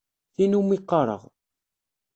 Tin umi qqareɣ.